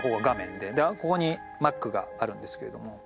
でここにＭａｃがあるんですけれども。